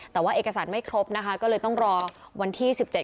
แต่ว่าเอกสารไม่ครบนะคะก็เลยต้องรอวันที่๑๗